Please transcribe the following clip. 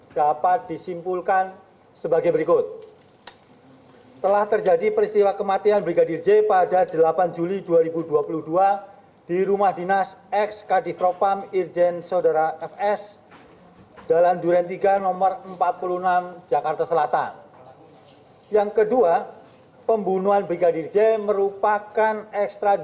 dapat disimpulkan sebagai berikut